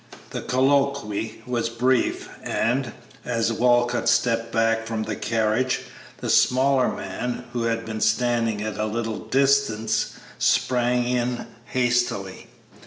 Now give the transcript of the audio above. The colloquy was brief, and, as Walcott stepped back from the carriage, the smaller man, who had been standing at a little distance, sprang in hastily.